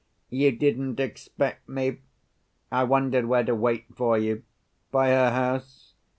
You didn't expect me? I wondered where to wait for you. By her house?